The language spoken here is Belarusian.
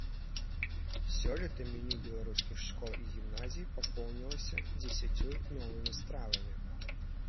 Сёлета меню беларускіх школ і гімназій папоўнілася дзесяццю новымі стравамі.